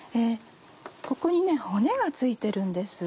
ここに骨が付いてるんです。